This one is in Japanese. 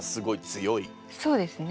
そうですね。